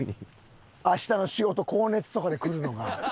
明日の仕事高熱とかで来るのが。